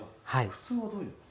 普通はどういう？